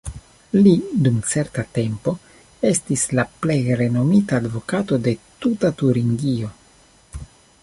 Li dum certa tempo estis la plej renomita advokato de tuta Turingio.